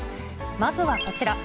まずはこちら。